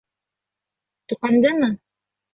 Тоҡандымы?